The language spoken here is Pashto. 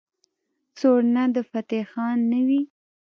سورنا د فتح خان نه وي.